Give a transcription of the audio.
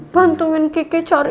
bantuin kiki cari